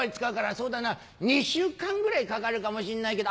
そうだな２週間ぐらいかかるかもしんないけど」。